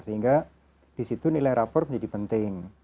sehingga disitu nilai rapor menjadi penting